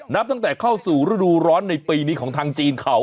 นับตั้งแต่เข้าสู่ฤดูร้อนในปีนี้ของทางจีนเขา